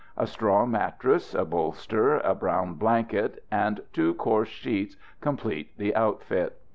A straw mattress, a bolster, a brown blanket, and two coarse sheets complete the outfit.